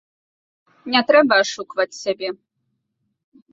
Не трэба ашукваць сябе.